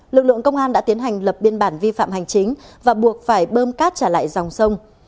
lực lượng công an đã tiến hành lập biên bản vi phạm hành chính và buộc phải bơm cát trả lại dòng sông